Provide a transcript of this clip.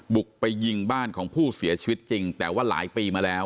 บุกไปยิงบ้านของผู้เสียชีวิตจริงแต่ว่าหลายปีมาแล้ว